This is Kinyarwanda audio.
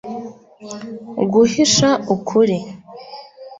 Guhisha ukuri